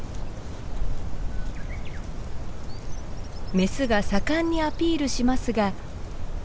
メスが盛んにアピールしますが。